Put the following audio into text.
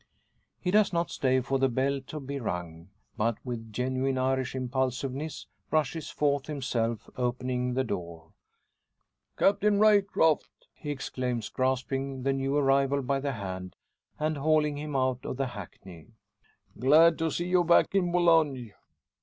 He does not stay for the bell to be rung, but with genuine Irish impulsiveness rushes forth, himself opening the door. "Captain Ryecroft!" he exclaims, grasping the new arrival by the hand, and hauling him out of the hackney. "Glad to see you back in Boulogne."